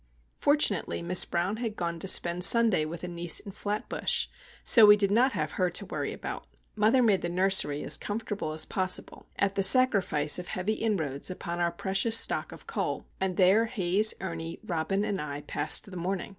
Fortunately Miss Brown had gone to spend Sunday with a niece in Flatbush, so we did not have her to worry about. Mother made the nursery as comfortable as possible at the sacrifice of heavy inroads upon our precious stock of coal, and there Haze, Ernie, Robin, and I passed the morning.